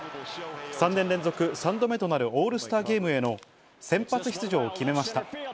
３年連続３度目となるオールスターゲームへの先発出場を決めました。